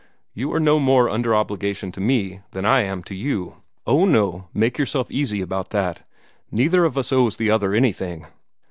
You are no more under obligation to me than I am to you. Oh, no, make yourself easy about that. Neither of us owes the other anything."